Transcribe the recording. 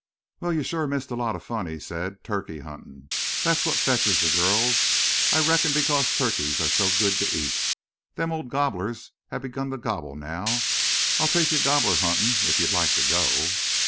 "Wal, you've shore missed a lot of fun," he said. "Turkey huntin'. Thet's what fetches the gurls. I reckon because turkeys are so good to eat. The old gobblers hev begun to gobble now. I'll take you gobbler huntin' if you'd like to go."